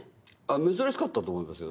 珍しかったと思いますよ。